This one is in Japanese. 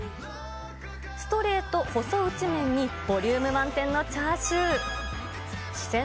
ストレート細打ち麺に、ボリューム満点のチャーシュー、四川